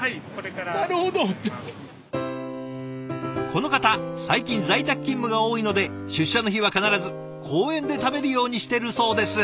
この方最近在宅勤務が多いので出社の日は必ず公園で食べるようにしてるそうです。